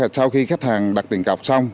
sau khi khách hàng đặt tiền cọc xong